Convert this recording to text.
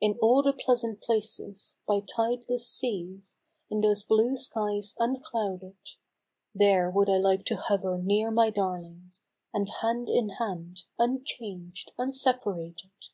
In all the pleasant places, By tideless seas, in those blue skies unclouded, There would I like to hover near my darling. And hand in hand, unchanged, unseparated.